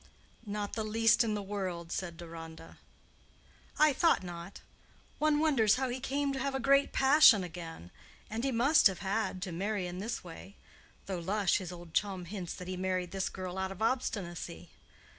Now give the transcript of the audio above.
"Not the least in the world," said Deronda. "I thought not. One wonders how he came to have a great passion again; and he must have had—to marry in this way. Though Lush, his old chum, hints that he married this girl out of obstinacy.